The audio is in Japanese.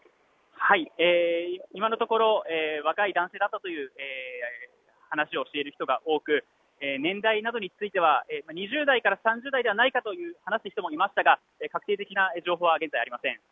今のところ若い男性だったという話をしている人が多く年代などについては２０代から３０代ではないかと話す人もいましたが確定的な情報は今ありません。